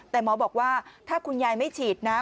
แต่หมอบอกว่าถ้าคุณยายไม่ฉีดนะ